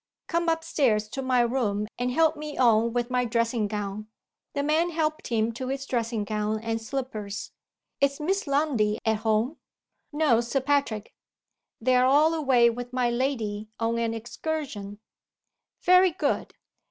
Come up stairs to my room, and help me on with my dressing gown." The man helped him to his dressing gown and slippers "Is Miss Lundie at home?" "No, Sir Patrick. They're all away with my lady on an excursion." "Very good.